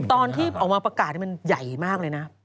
ตอนที่ออกมาประกาศมันใหญ่มากเลยนะ